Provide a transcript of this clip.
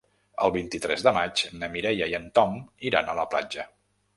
El vint-i-tres de maig na Mireia i en Tom iran a la platja.